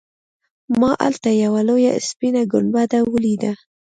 ما هلته یوه لویه سپینه ګنبده ولیده.